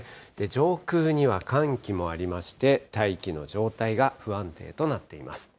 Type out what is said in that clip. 上空には寒気もありまして、大気の状態が不安定となっています。